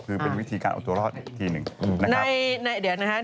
คือเป็นวิธีการอัตโตราชทีหนึ่งนะครับ